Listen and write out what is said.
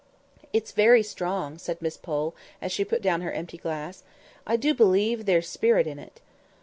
"It's very strong," said Miss Pole, as she put down her empty glass; "I do believe there's spirit in it."